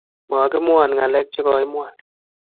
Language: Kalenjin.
Makimwon ng'alek che koimwa